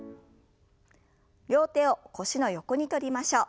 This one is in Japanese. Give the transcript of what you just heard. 両手を腰の横に取りましょう。